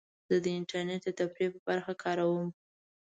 زه د انټرنیټ د تفریح برخه کاروم.